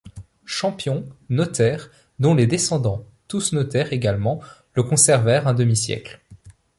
Champion, notaire, dont les descendants, tous notaires également, le conservèrent un demi-siècle.